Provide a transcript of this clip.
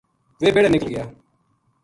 ویہ بیہڑے نکل گیا